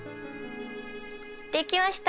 できました！